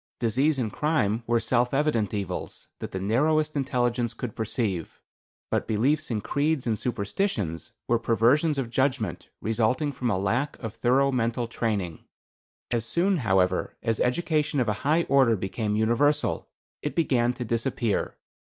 Disease and crime were self evident evils, that the narrowest intelligence could perceive; but beliefs in creeds and superstitions were perversions of judgment, resulting from a lack of thorough mental training. As soon, however, as education of a high order became universal, it began to disappear.